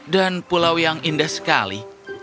dan pulau yang indah sekali